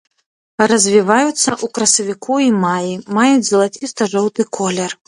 Развіваюцца ў красавіку і маі, маюць залаціста-жоўты колер.